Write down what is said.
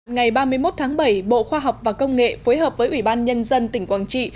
ngày ba mươi một tháng bảy bộ khoa học và công nghệ phối hợp với ủy ban nhân dân tỉnh quảng trị